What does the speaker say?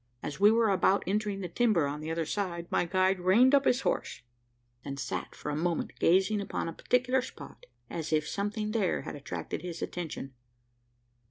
As we were about entering the timber on the other side, my guide reined up his horse; and sat for a moment gazing upon a particular spot as if something there had attracted his attention.